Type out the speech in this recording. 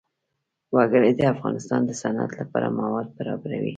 وګړي د افغانستان د صنعت لپاره مواد برابروي.